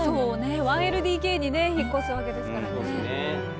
１ＬＤＫにね引っ越すわけですからね。